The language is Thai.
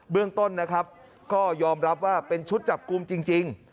เรื่องต้นนะครับก็ยอมรับว่าเป็นชุดจับกลุ่มจริง